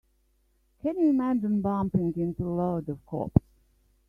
Can you imagine bumping into a load of cops?